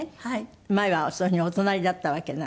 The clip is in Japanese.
前はそういうふうにお隣だったわけなんでね。